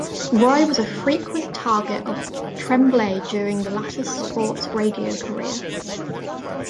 Roy was a frequent target of Tremblay during the latter's sports radio career.